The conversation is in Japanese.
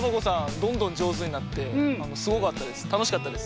どんどんじょうずになってすごかったです。